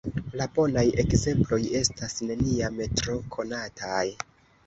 La bonaj ekzemploj estas neniam tro konataj!